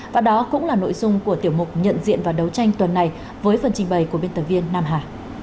và đó cũng là nội dung của tiểu mục nhận diện và đấu tranh tuần này với phần trình bày của biên tập viên nam hà